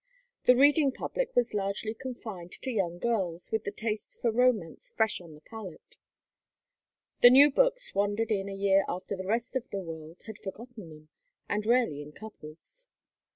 The reading public was largely confined to young girls with the taste for romance fresh on the palate. The new books wandered in a year after the rest of the world had forgotten them, and rarely in couples.